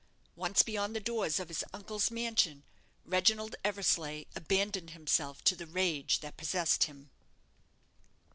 Once beyond the doors of his uncle's mansion, Reginald Eversleigh abandoned himself to the rage that possessed him.